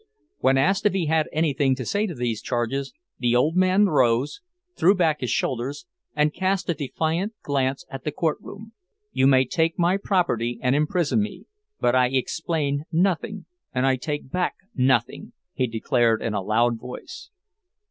When asked if he had anything to say to these charges, the old man rose, threw back his shoulders, and cast a defiant glance at the courtroom. "You may take my property and imprison me, but I explain nothing, and I take back nothing," he declared in a loud voice.